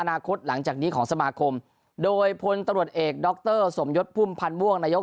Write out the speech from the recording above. คตหลังจากนี้ของสมาคมโดยพลตำรวจเอกดรสมยศพุ่มพันธ์ม่วงนายก